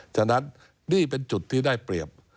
ฉะนั้นนี่เป็นจุดที่ได้เปรียบ